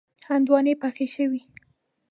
هندواڼی پخې شوې.